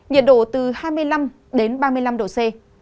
nhiệt độ từ hai mươi năm đến ba mươi năm độ c